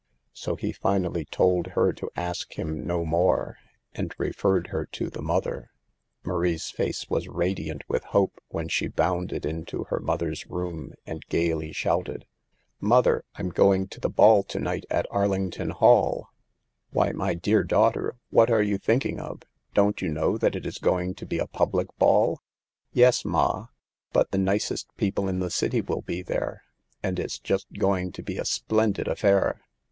So he. finally told her to ask him no more, and referred her to the mother. Marie's face was radiant with hope when she bounded into her mother's room and gaily shouted :" Mother, I'm going to the ball to night at Arlington Hall." THE EVILS OF DANCING. 61 h Why, my dear daughter, what are you thinking of. Don't you know that it is going to be a public ball ?"" Yes, ma ; but the nicest people in the city will be there, and it's just going to be a splen did affair."